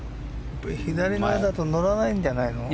左だと乗らないんじゃないの？